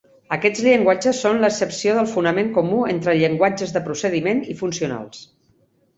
Aquests llenguatges són l'excepció del fonament comú entre llenguatges de procediment i funcionals.